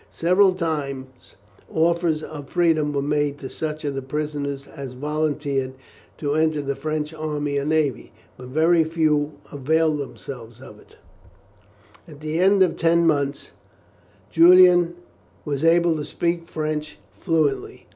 Several times offers of freedom were made to such of the prisoners as volunteered to enter the French army or navy, but very few availed themselves of them. At the end of ten months, Julian was able to speak French fluently.